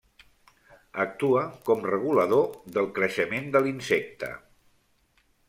Actua com regulador del creixement de l'insecte.